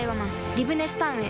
リブネスタウンへ